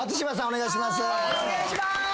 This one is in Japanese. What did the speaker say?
お願いします。